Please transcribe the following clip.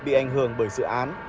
bị ảnh hưởng bởi dự án